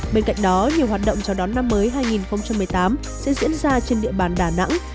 bên cạnh đó nhiều hoạt động chào đón năm mới hai nghìn một mươi tám sẽ diễn ra trên địa bàn đà nẵng